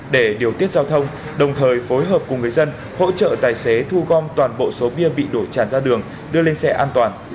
để điều tiết giao thông đồng thời phối hợp cùng người dân hỗ trợ tài xế thu gom toàn bộ số bia bị đổ chàn ra đường đưa lên xe an toàn